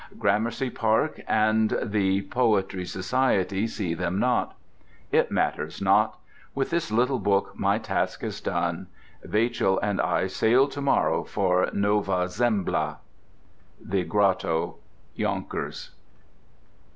Gramercy Park and the Poetry Society see them not. It matters not. With this little book my task is done. Vachel and I sail to morrow for Nova Zembla. The Grotto, Yonkers.